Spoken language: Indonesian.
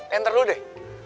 lantar dulu deh